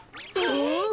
え！